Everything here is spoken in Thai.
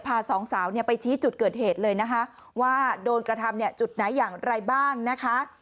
สองสาวไปชี้จุดเกิดเหตุเลยนะคะว่าโดนกระทำจุดไหนอย่างไรบ้างนะคะ